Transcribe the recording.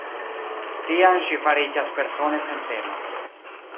Tiam ŝi fariĝas persone sentema.